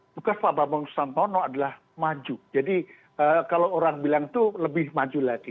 bukannya pak bapak nusantara adalah maju jadi kalau orang bilang itu lebih maju lagi